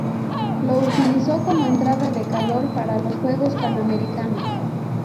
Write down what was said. Lo utilizó como entrada de calor para los Juegos Panamericanos.